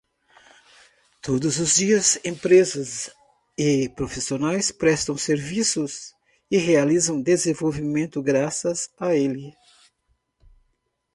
Todos os dias, empresas e profissionais prestam serviços e realizam desenvolvimentos graças a ele.